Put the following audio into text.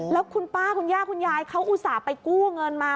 แล้วคุณป้าคุณย่าคุณยายเขาอุตส่าห์ไปกู้เงินมา